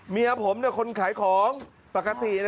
เมียผมเนี่ยคนขายของปกตินะ